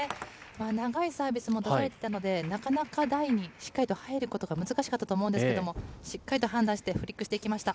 長いサービスも出されていたので、なかなか台にしっかりと入ることが難しかったと思うんですけれども、しっかりと判断して、フリックしていきました。